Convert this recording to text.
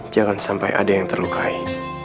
jangan sampai ada yang terlukai